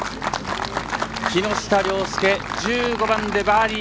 木下稜介、１５番でバーディー。